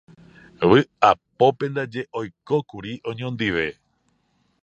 Vy'apópe ndaje oikókuri oñondive.